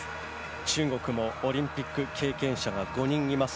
中国もオリンピック経験者が５人います。